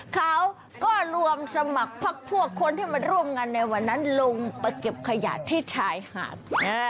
เขาก็รวมสมัครพักพวกคนที่มาร่วมงานในวันนั้นลงไปเก็บขยะที่ชายหาด